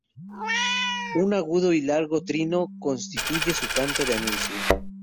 Un agudo y largo trino constituye su canto de anuncio.